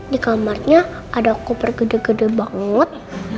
di kamarnya ada koper gede gede banget